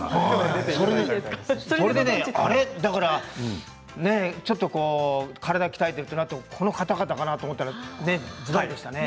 それでね、ちょっと体を鍛えているといってこの方々かなと思ったら、ずばりでしたね。